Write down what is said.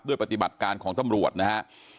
ปฏิบัติการของตำรวจนะฮะ